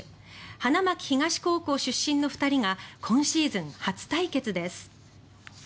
花巻東高校出身の２人が今シーズン初対決です。